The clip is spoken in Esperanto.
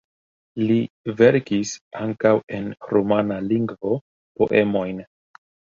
Li verkis ankaŭ en rumana lingvo poemojn.